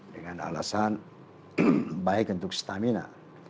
dengan alasan baik untuk stamina